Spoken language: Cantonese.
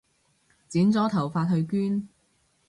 剪咗頭髮去捐